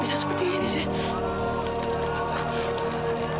bisa seperti ini sih